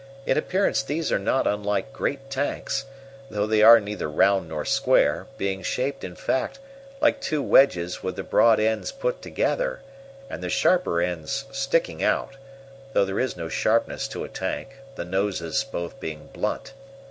In appearance these are not unlike great tanks, though they are neither round nor square, being shaped, in fact, like two wedges with the broad ends put together, and the sharper ends sticking out, though there is no sharpness to a tank, the "noses" both being blunt.